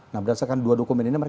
nah berdasarkan dua dokumen ini